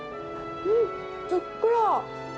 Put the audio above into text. うん、ふっくら。